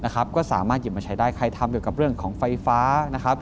ก็สามารถหยิบมาใช้ได้ใครทำเกี่ยวกับเรื่องของไฟฟ้านะครับ